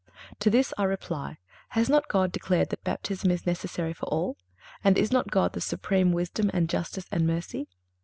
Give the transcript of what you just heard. To this I reply: Has not God declared that Baptism is necessary for all? And is not God the supreme Wisdom and Justice and Mercy?